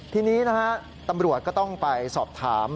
ทีนี้นะฮะตำรวจก็ต้องไปสอบถาม